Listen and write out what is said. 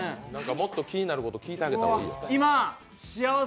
もっと気になること、聞いてあげたらいい。